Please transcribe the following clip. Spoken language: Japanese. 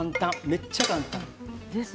めっちゃ簡単。